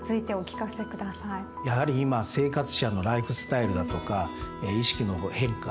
やはり今生活者のライフスタイルだとか意識の変化